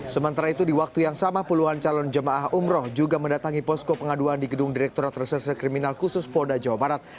sementara itu di waktu yang sama puluhan calon jemaah umroh juga mendatangi posko pengaduan di gedung direkturat reserse kriminal khusus polda jawa barat